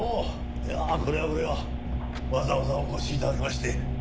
いやあこれはこれはわざわざお越し頂きまして。